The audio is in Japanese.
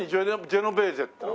ジェノベーゼって。